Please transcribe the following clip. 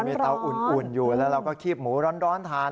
มีเตาอุ่นอยู่แล้วเราก็คีบหมูร้อนทาน